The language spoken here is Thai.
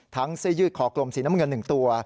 ทั้งเสื้อยืดขอกลมศรีนมเมืองันหนึ่งตัว